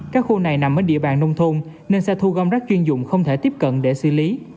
các khu này nằm ở địa bàn nông thôn nên xe thu gom rác chuyên dụng không thể tiếp cận để xử lý